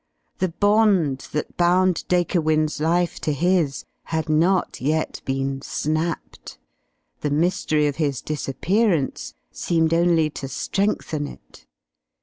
The bond that bound Dacre Wynne's life to his had not yet been snapped, the mystery of his disappearance seemed only to strengthen it.